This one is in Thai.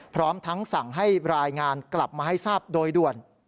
พร้อมทั้งสั่งให้รายงานกลับมาให้ทราบโดยด่วน